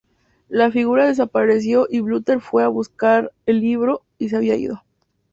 La figura desapareció y Butler fue a buscar el libro, y se había ido.